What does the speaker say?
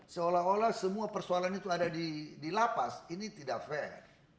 seolah olah semua persoalan itu ada di lapas ini tidak fair